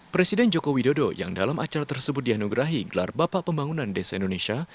presiden joko widodo yang dalam acara tersebut dianugerahi gelar bapak pembangunan desa indonesia